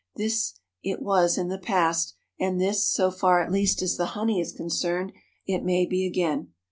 This it was in the past, and this, so far at least as the honey is concerned, it may be again.